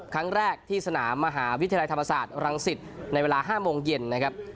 ครั้งแรกที่สนามมหาวิทยาลัยธรรมศาสตร์รังสิตในเวลา๕โมงเย็นนะครับ